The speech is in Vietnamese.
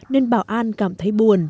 nên bảo an cảm thấy buồn